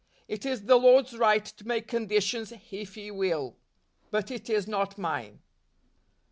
It is the Lord's right to make conditions if He will; but it is not mine.